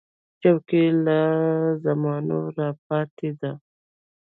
چوکۍ له زمانو راپاتې ده.